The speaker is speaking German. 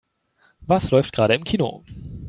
Was läuft gerade im Kino?